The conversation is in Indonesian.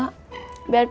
biar pilih yang penting